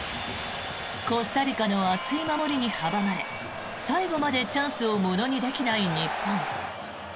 コスタリカの厚い守りに阻まれ最後までチャンスをものにできない日本。